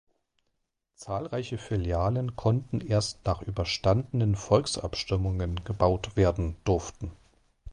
Zahlreiche Filialen konnten erst nach überstandenen Volksabstimmungen gebaut werden durften.